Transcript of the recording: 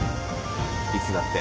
いつだって。